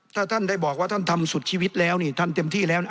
ถ้าท่านได้บอกว่าท่านทำสุดชีวิตแล้วนี่ท่านเต็มที่แล้วนะ